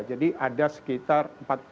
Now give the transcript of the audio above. jadi ada sekitar empat puluh lima